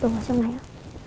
đồ vào trong này ạ